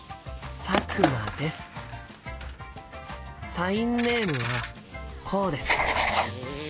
サインネームはこうです。